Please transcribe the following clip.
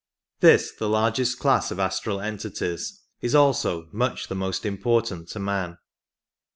This, the largest class of astral entities, is also much the most important to man.